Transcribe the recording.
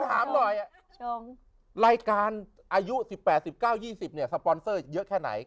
ถามหน่อยรายการอายุ๑๘๑๙๒๐เนี่ยสปอนเซอร์เยอะแค่ไหน